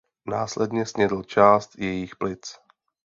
Následně snědl část jejích plic.